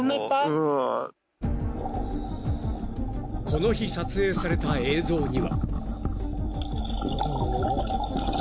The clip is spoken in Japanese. ［この日撮影された映像には］